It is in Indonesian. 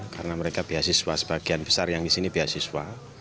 karena mereka beasiswa sebagian besar yang di sini beasiswa